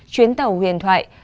chuyến tàu huyền thoại